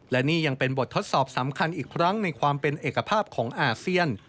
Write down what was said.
และนี่ยังเป็นบททดสอบสำคัญอีกครั้งในความเป็นเอกภาพของอาเซียน